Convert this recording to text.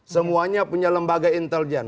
semuanya punya lembaga intelijen